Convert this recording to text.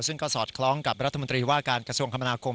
ซึ่งก็สอดคล้องกับรัฐมนตรีว่าการกระทรวงคมนาคม